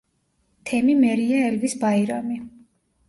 თემი მერია ელვის ბაირამი.